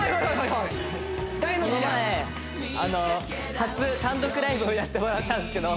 この前初単独ライブをやってもらったんですけど